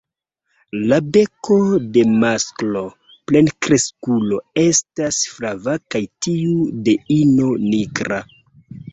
La beko de maskla plenkreskulo estas flava kaj tiu de ino nigra.